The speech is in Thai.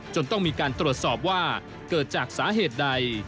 ต้องมีการตรวจสอบว่าเกิดจากสาเหตุใด